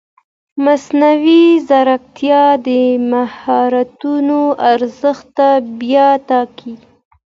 مصنوعي ځیرکتیا د مهارتونو ارزښت بیا ټاکي.